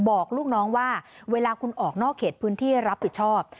บอกลูกน้องว่าเวลาคุณออกนอกเขตพื้นที่รับผิดชอบ